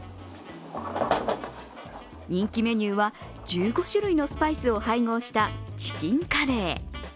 人気メニューは１５種類のスパイスを配合したチキンカレー。